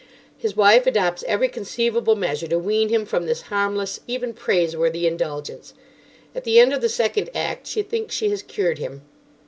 His wife adopts every conceivable measure to wean him from this harmless, even praiseworthy indulgence. At the end of the second act she thinks she has cured him.